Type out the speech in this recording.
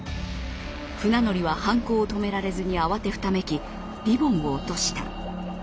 船乗りは犯行を止められずに慌てふためきリボンを落とした。